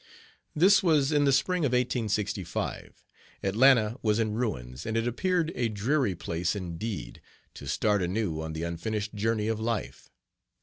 This was in the spring of 1865. Atlanta was in ruins, and it appeared a dreary place indeed to start anew on the unfinished journey of life.